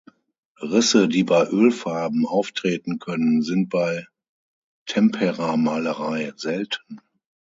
Risse, die bei Ölfarben auftreten können, sind bei Temperamalerei selten.